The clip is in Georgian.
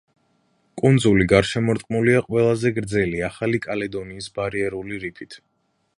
კუნძული გარშემორტყმულია ყველაზე გრძელი ახალი კალედონიის ბარიერული რიფით.